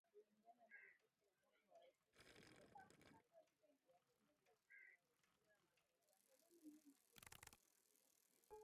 Kulingana na ripoti ya mwaka wa elfu mbili kumi na saba ya kundi la kimazingira la Muungano juu ya Afya na Uchafuzi.